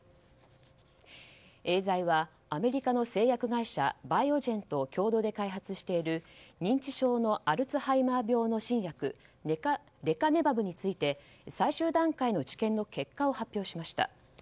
エーザイは、アメリカの製薬会社バイオジェンと共同で開発している認知症のアルツハイマー病の新薬レカネマブについて最終段階の治験の結果を発表しました。